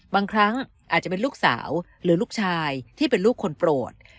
บางครั้งอาจจะเป็นลูกสาวหรือลูกชายที่เป็นลูกคนโปรด